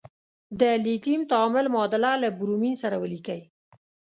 د لیتیم تعامل معادله له برومین سره ولیکئ.